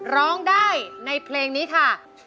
ร้องได้ในเพลงนี้ค่ะ